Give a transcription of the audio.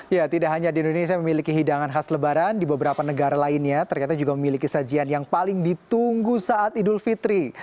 ya tidak hanya di indonesia memiliki hidangan khas lebaran di beberapa negara lainnya ternyata juga memiliki sajian yang paling ditunggu saat idul fitri